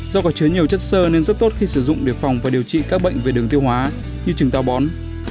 do có chứa nhiều chất sơ nên rất tốt khi sử dụng để phòng và điều trị các bệnh về đường tiêu hóa như trứng tàu bón